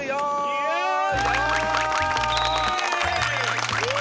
イエーイ！